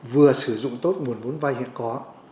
vừa sử dụng tốt nguồn vốn vai hiện có